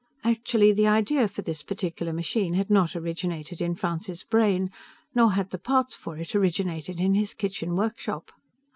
Actually, the idea for this particular machine had not originated in Francis' brain, nor had the parts for it originated in his kitchen workshop.